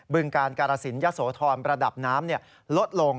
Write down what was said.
บึงการการสินยสธรรมระดับน้ำลดลง